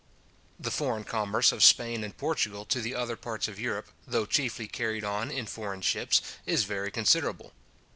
The foreign commerce of Spain and Portual to the other parts of Europe, though chiefly carried on in foreign ships, is very considerable.